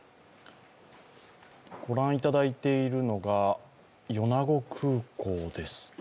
ご覧いただいているのが米子空港です。